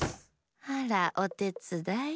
あらおてつだい？